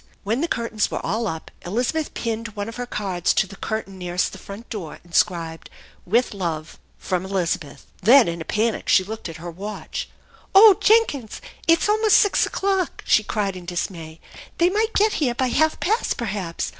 When the curtains were all up, Elizabeth pinned one of her cards to the curtain nearest the front door, inscribed, "With love from Elizabeth." Then in a panic she looked at her watch. " Oh Jenkins ! It's almost six o'clock," she cried in dis may. "They might get here by half past, perhaps.